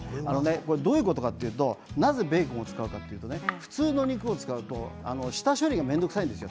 どういうことかというとなぜベーコンを使うかというと普通の肉を使うと下処理が面倒くさいんですよ。